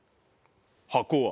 箱は？